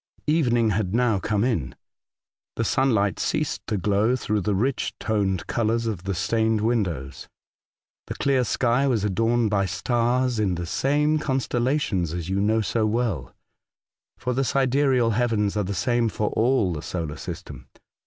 Evening had now come in. The sunlight ceased to glow through the rich toned colours of the stained windows. The clear sky was adorned by stars in the same constellations as you know so well — for the sidereal heavens are the same for all the solar system.